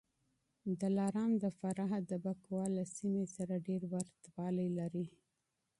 دلارام د فراه د بکواه له سیمې سره ډېر ورته والی لري